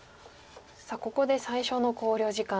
さあここで最初の考慮時間です。